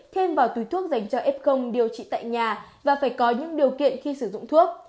thêm vào túi thuốc dành cho f điều trị tại nhà và phải có những điều kiện khi sử dụng thuốc